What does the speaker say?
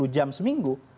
empat puluh jam seminggu